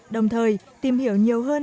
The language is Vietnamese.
đồng thời tìm hiểu nhiều hơn